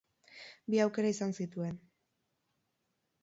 Bi aukera izan zituen.